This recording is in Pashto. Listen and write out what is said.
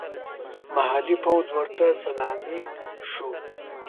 محلي پوځ ورته سلامي شو.